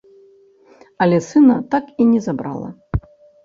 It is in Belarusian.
Але сына так і не забрала.